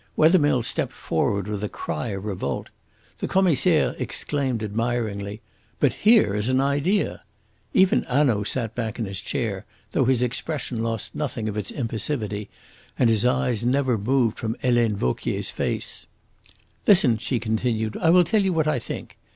Wethermill stepped forward with a cry of revolt. The Commissaire exclaimed, admiringly, "But here is an idea!" Even Hanaud sat back in his chair, though his expression lost nothing of its impassivity, and his eyes never moved from Helene Vauquier's face. "Listen!" she continued, "I will tell you what I think.